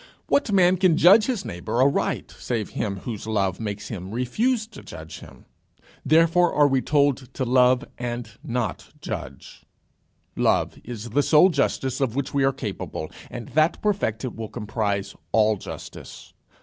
What man can judge his neighbour aright save him whose love makes him refuse to judge him? Therefore are we told to love, and not judge. It is the sole justice of which we are capable, and that perfected will comprise all justice.